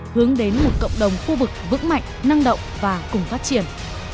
hướng đến một cộng đồng khu vực vững mạnh năng động và cùng phát triển